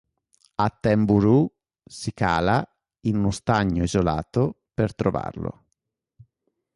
Attenborough si cala in uno stagno isolato per trovarlo.